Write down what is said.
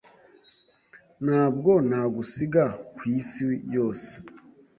Ntabwo nagusiga ku isi yose.